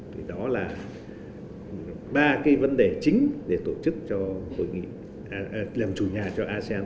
thì đó là ba cái vấn đề chính để tổ chức cho hội nghị làm chủ nhà cho asean